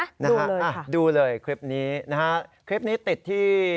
ดูเลยค่ะดูเลยคลิปนี้คลิปนี้ติดที่